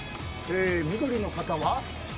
緑の方は？